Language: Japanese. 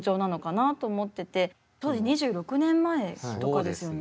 当時２６年前とかですよね。